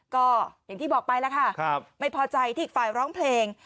ก็อย่างที่บอกไปแล้วค่ะไม่พอใจที่อีกฝ่ายร้องเพลง